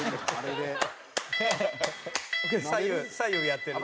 「左右左右やってる」